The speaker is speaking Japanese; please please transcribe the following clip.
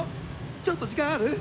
ちょっと時間ある？